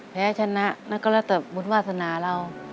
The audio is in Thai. แพ้ชนะนั่นก็แล้วแต่บุญวาสนาเรา